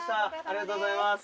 ありがとうございます」